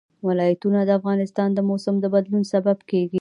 ولایتونه د افغانستان د موسم د بدلون سبب کېږي.